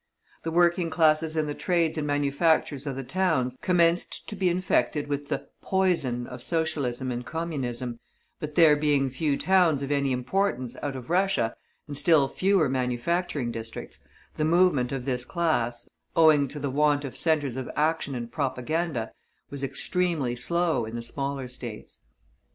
The working classes in the trades and manufactures of the towns commenced to be infected with the "poison" of Socialism and Communism, but there being few towns of any importance out of Prussia, and still fewer manufacturing districts, the movement of this class, owing to the want of centres of action and propaganda, was extremely slow in the smaller States.